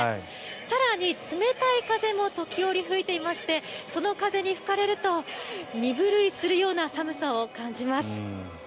更に、冷たい風も時折、吹いていましてその風に吹かれると身震いするような寒さを感じます。